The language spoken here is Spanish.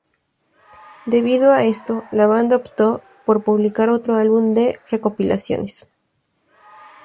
Debido a esto la banda opto por publicar otro álbum de recopilaciones.